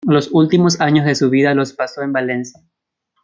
Los últimos años de su vida los pasó en Valencia.